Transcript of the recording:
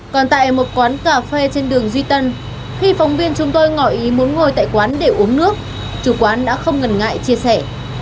còn tại một quán cà phê trên đường duy tân khi phóng viên chúng tôi ngỏ ý muốn ngồi tại quán để uống nước chủ quán đã không ngần ngại chia sẻ